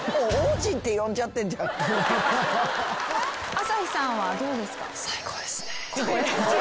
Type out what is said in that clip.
朝日さんはどうですか？